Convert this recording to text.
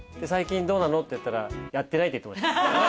「最近どうなの？」って言ったら「やってない」って言ってました。